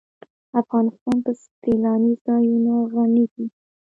افغانستان په سیلانی ځایونه غني دی.